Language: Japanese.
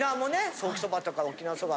ソーキそばとか沖縄そば。